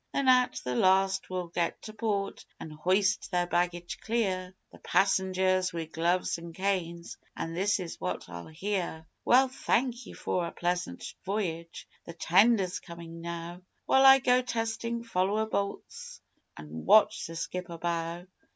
Then, at the last, we'll get to port an' hoist their baggage clear The passengers, wi' gloves an' canes an' this is what I'll hear: "Well, thank ye for a pleasant voyage. The tender's comin' now." While I go testin' follower bolts an' watch the skipper bow.